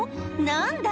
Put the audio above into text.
何だ？